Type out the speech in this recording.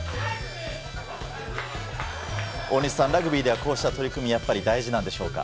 大西さん、ラグビーではこうした取り組み、やっぱり大事なんでしょうか。